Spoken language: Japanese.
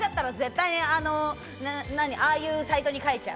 ああいうサイトに書いちゃう。